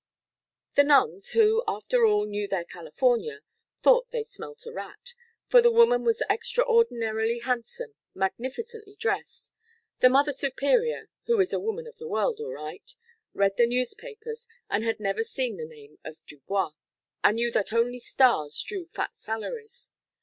"The nuns, who, after all, knew their California, thought they smelt a rat, for the woman was extraordinarily handsome, magnificently dressed; the Mother Superior who is a woman of the world, all right read the newspapers, and had never seen the name of Dubois and knew that only stars drew fat salaries.